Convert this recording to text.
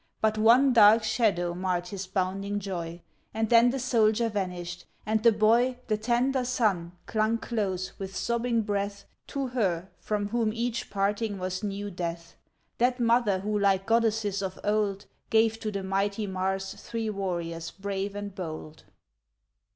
But one dark shadow marred his bounding joy; And then the soldier vanished, and the boy, The tender son, clung close, with sobbing breath, To her from whom each parting was new death; That mother who like goddesses of old, Gave to the mighty Mars, three warriors brave and bold, VI.